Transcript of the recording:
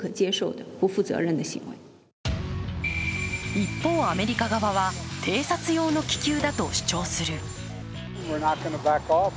一方、アメリカ側は偵察用の気球だと主張する。